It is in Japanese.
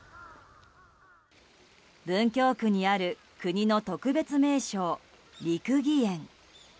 文京区にある国の特別名勝、六義園。